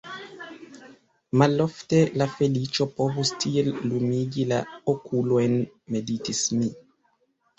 Malofte la feliĉo povus tiel lumigi la okulojn – meditis mi.